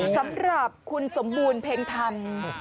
สำหรับคุณสมบูรณ์เพ็งธรรม